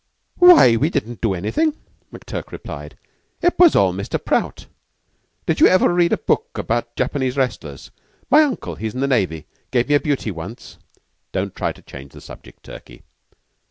"Why, we didn't do anything," McTurk replied. "It was all Mr. Prout. Did you ever read a book about Japanese wrestlers? My uncle he's in the Navy gave me a beauty once." "Don't try to change the subject, Turkey."